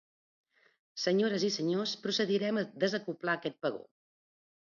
Senyores i senyors, procedirem a desacoblar aquest vagó.